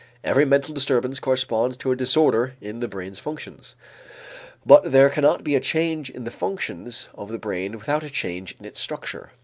Every mental disturbance corresponds to a disorder in the brain's functions. But there cannot be a change in the functions of the brain without a change in its structure.